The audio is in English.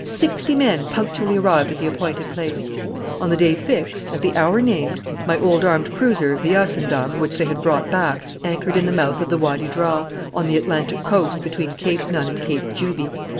Sixty men punctually arrived at the appointed place. "On the day fixed, at the hour named, my old armed cruiser, the Ascendam, which they had brought back, anchored in the mouth of the Wady Draa, on the Atlantic coast, between Cape Nun and Cape Juby.